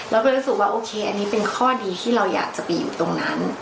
เราก็เลยรู้สึกว่าโอเคอันนี้เป็นข้อดีที่เราอยากจะไปอยู่ตรงนั้น